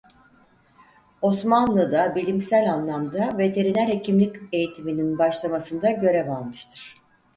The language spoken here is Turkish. Osmanlı'da bilimsel anlamda veteriner hekimlik eğitiminin başlamasında görev almıştır.